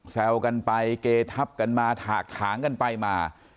แซวกันไปเกทับกันมาถากถางกันไปมา